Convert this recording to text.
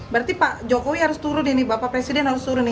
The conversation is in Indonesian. berarti pak jokowi harus turun ini bapak presiden harus turun nih